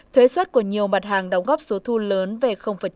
thuế xuất của nhiều mặt hàng đóng góp số thu lớn về